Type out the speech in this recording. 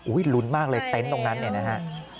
ลุ้นมากเลยเต็นต์ตรงนั้นเนี่ยนะฮะ